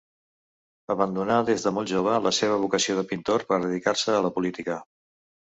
Abandonà des de molt jove la seva vocació de pintor per dedicar-se a la política.